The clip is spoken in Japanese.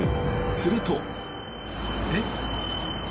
すると。